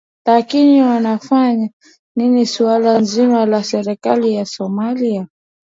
lakini wanafanya nini suala zima la serikali ya somalia